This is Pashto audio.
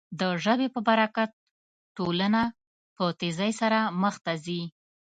د ژبې په برکت ټولنه په تېزۍ سره مخ ته ځي.